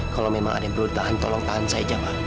kalau memang ada yang perlu ditahan tolong tahan saja pak